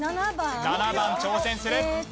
７番挑戦する。